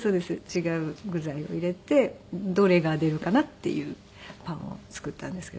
違う具材を入れてどれが出るかなっていうパンを作ったんですけど。